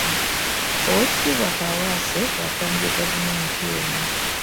Oweekitiibwa Kaawaase bw'agambye gavumenti eno.